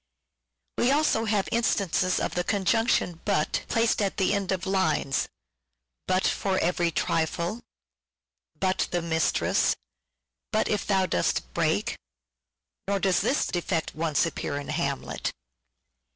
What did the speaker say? We have also instances of the conjunction " but " placed at the end of lines " but For every trifle " (II. 2.) "but The mistress" (III. x.) " but If thou dost break " (IV. x.) Nojr does this defect once appear in " Hamlet."